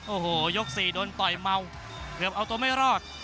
โอ้โหยก๔โดนต่อยเมาเกือบเอาตัวไม่รอด